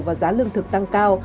và giá lương thực tăng cao